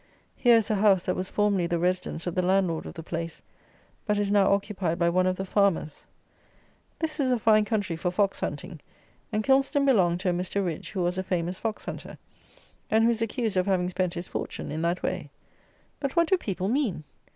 Here is a house, that was formerly the residence of the landlord of the place, but is now occupied by one of the farmers. This is a fine country for fox hunting, and Kilmston belonged to a Mr. Ridge who was a famous fox hunter, and who is accused of having spent his fortune in that way. But what do people mean?